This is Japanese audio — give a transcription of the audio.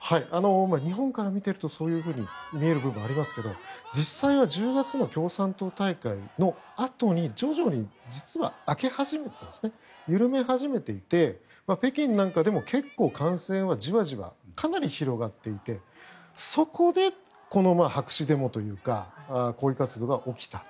日本から見ているとそういうふうに見える部分がありますけど実際は１０月の共産党大会のあとに徐々に実は緩め始めていて北京なんかでも感染はじわじわとかなり広がっていてそこで白紙デモというか抗議活動が起きた。